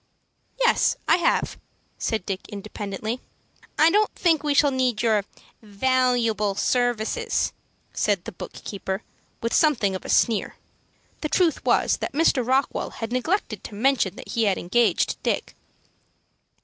"Yes, I have," said Dick, independently. "I don't think we shall need your valuable services," said the book keeper, with something of a sneer. The truth was, that Mr. Rockwell had neglected to mention that he had engaged Dick.